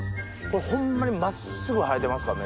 これホンマに真っすぐ生えてますか？